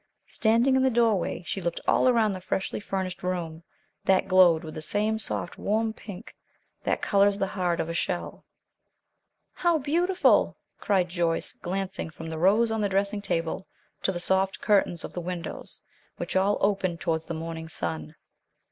Standing in the doorway, she looked all around the freshly furnished room, that glowed with the same soft, warm pink that colors the heart of a shell. "How beautiful!" cried Joyce, glancing from the rose on the dressing table to the soft curtains of the windows, which all opened towards the morning sun.